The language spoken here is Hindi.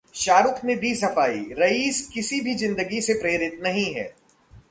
शाहरुख ने दी सफाई, 'रईस' किसी की जिंदगी से प्रेरित नहीं है